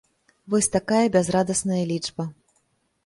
Вось такая бязрадасная лічба.